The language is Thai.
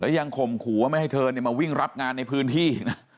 แล้วยังข่มขู่ว่าไม่ให้เธอเนี่ยมาวิ่งรับงานในพื้นที่